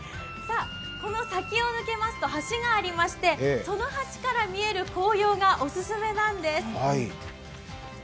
この先を抜けますと、橋がありましてその橋から見える紅葉がオススメなんです。